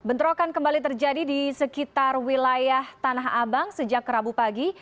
bentrokan kembali terjadi di sekitar wilayah tanah abang sejak rabu pagi